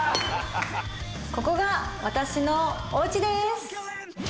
ここが私のおうちです！